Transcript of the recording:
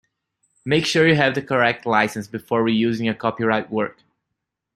Make sure you have the correct licence before reusing a copyright work